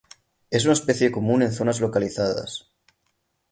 Es una especie común en zonas localizadas.